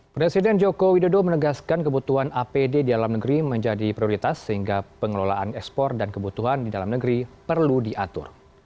presiden joko widodo menegaskan kebutuhan apd di dalam negeri menjadi prioritas sehingga pengelolaan ekspor dan kebutuhan di dalam negeri perlu diatur